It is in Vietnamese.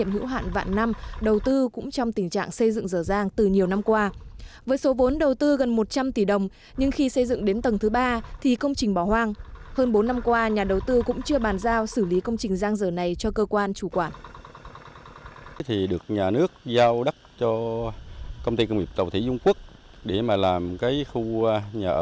hơn bốn năm qua nhà đầu tư cũng chưa bàn giao xử lý công trình giang dở này cho cơ quan chủ quản